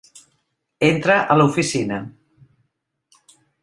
Entra a l'oficina.